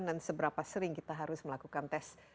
dan seberapa sering kita harus melakukan tes